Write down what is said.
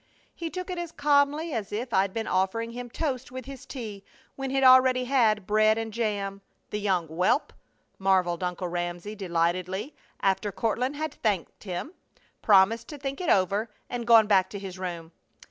"He took it as calmly as if I'd been offering him toast with his tea when he already had bread and jam, the young whelp!" marveled Uncle Ramsey, delightedly, after Courtland had thanked him, promised to think it over, and gone back to his room.